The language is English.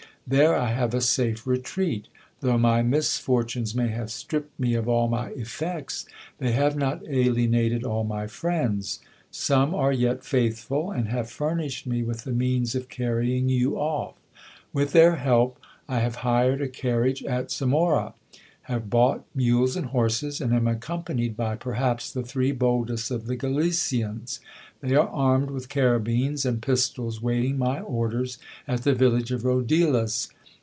There I have a safe retreat Though my misfortunes may have stripped me of all my effects, they have not alienated all my friends ; some are yet faithful, and have furnished me with the means of carrying you off. With their help I have hired a carriage at Zamora ; have bought mules and horses, and am accompanied by perhaps the three boldest of the Galicians. They are armed with carabines and pistols, waiting my orders at the village of Rodillas.